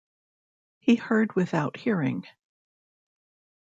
He heard without hearing.